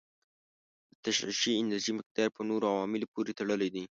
د تشعشعي انرژي مقدار په نورو عواملو پورې تړلی دی.